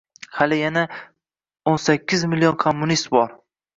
Hali yana... o‘n sakkiz million kommunist bor.